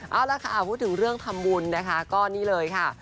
เอาละค่ะพูดถึงเรื่องทำบุญนะคะก็นี่เลยค่ะ